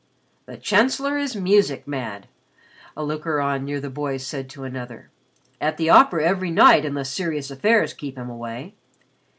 "The Chancellor is music mad," a looker on near the boys said to another. "At the opera every night unless serious affairs keep him away!